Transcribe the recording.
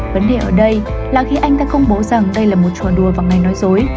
vấn đề ở đây là khi anh ta công bố rằng đây là một trò đùa vào ngày nói dối